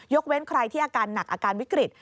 เว้นใครที่อาการหนักอาการวิกฤต